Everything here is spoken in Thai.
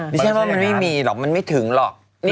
ดิฉันว่ามันไม่มีหรอกมันไม่ถึงหรอก